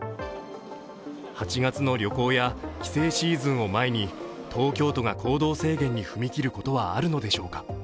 ８月の旅行や帰省シーズンを前に東京都が行動制限に踏み切ることはあるのでしょうか。